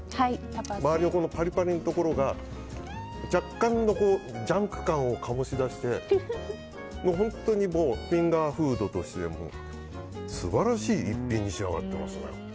周りのパリパリのところが若干、ジャンク感を醸し出して本当にフィンガーフードとして素晴らしい一品に仕上がってますね。